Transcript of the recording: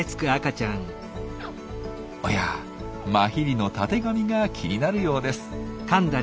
おやマヒリのたてがみが気になるようです。